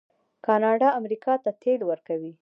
کاناډا امریکا ته تیل ورکوي.